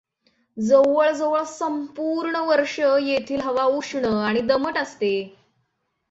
जवळजवळ संपूर्ण वर्ष येथील हवा उष्ण आणि दमट असते.